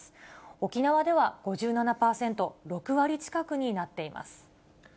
沖縄では５７％、６割近くになっています。